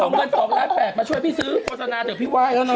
เอาเงิน๒ล้าน๘มาช่วยพี่ซื้อโฆษณาเถอะพี่ไหว้